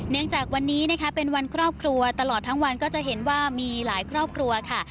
จากวันนี้นะคะเป็นวันครอบครัวตลอดทั้งวันก็จะเห็นว่ามีหลายครอบครัวค่ะ